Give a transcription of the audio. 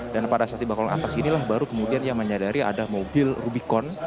dan pada saat di balkon atas inilah baru kemudian ia menyadari ada mobil rubicon